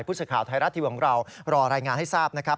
ผู้สื่อข่าวไทยรัฐทีวีของเรารอรายงานให้ทราบนะครับ